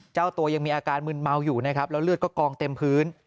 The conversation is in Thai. เจ้าตัวยังมีอาการมึนเมาอยู่นะครับแล้วเลือดก็กองเต็มพื้น